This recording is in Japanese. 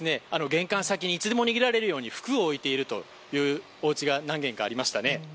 玄関先にいつでも逃げられるように服を置いているというおうちが何軒かありましたね。